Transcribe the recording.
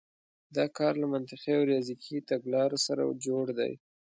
دا کار له منطقي او ریاضیکي تګلارو سره جوړ دی.